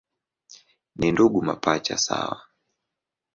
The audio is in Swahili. Ni ndugu mapacha sawa.